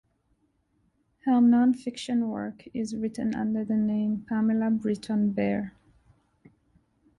Her non-fiction work is written under the name Pamela Britton-Baer.